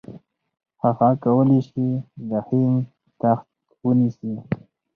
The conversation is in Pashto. هغه کولای شي د هند تخت ونیسي.